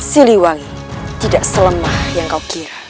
siliwangi tidak selemah yang kau kira